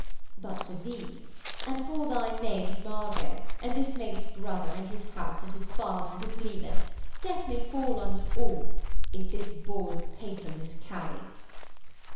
But for thee and for thy maid Margot and this maid's brother and his house and his father and his leman death may fall on ye all if this ball of paper miscarry.'